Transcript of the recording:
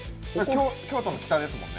京都の北ですもんね。